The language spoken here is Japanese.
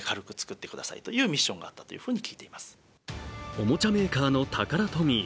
おもちゃメーカーのタカラトミー。